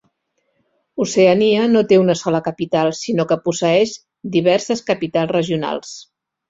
Oceania no té una sola capital, sinó que posseeix diverses capitals regionals.